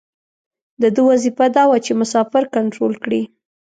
د ده وظیفه دا وه چې مسافر کنترول کړي.